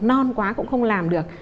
non quá cũng không làm được